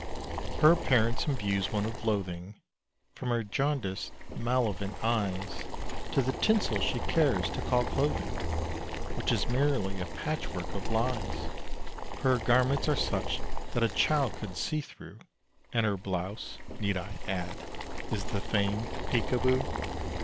Her appearance imbues one with loathing, From her jaundiced, malevolent eyes To the tinsel she cares to call clothing, Which is merely a patchwork of lies. For her garments are such that a child could see through, And her blouse (need I add?) is the famed Peek a boo!